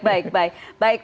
baik baik baik